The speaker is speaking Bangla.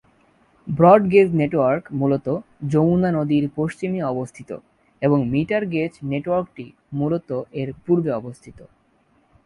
ব্রড গেজ নেটওয়ার্ক মূলত যমুনা নদীর পশ্চিমে অবস্থিত, এবং মিটার গেজ নেটওয়ার্কটি মূলত এর পূর্বে অবস্থিত।